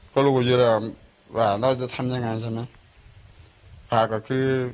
ก็รู้อยู่แล้วว่าเราจะทำยังไงใช่ไหม